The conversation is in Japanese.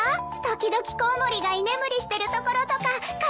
時々コウモリが居眠りしてるところとかカワイイ！